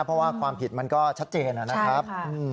เพราะว่าความผิดมันก็ชัดเจนนะครับ